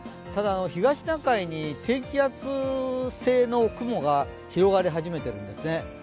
ただ、東シナ海に低気圧性の雲が広がり始めているんですね。